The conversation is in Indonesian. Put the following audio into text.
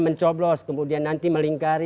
pihak pilih planes semua sudah memiliki ekspektasi